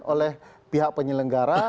oleh pihak penyelenggara